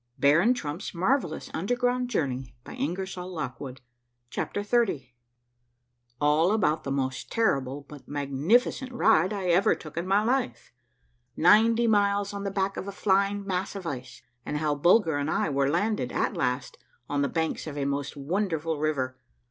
i •*»»*♦•« A MARVELLOUS UNDERGROUND JOURNEY 209 CHAPTER XXX ALL ABOUT THE MOST TERRIBLE BUT MAGNIFICENT RIDE I EVER TOOK IN MY LIFE. — NINETY MILES ON THE BACK OF A FLYING MASS OF ICE, AND HOW BULGER AND I WERE LANDED AT LAST ON THE BANKS OF A MOST WONDERFUL RIVER.